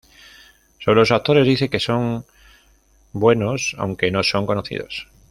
Sobre los actores dice que son buenos, aunque no son conocidos.